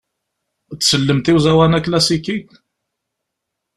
Tsellemt tikwal i uẓawan aklasiki?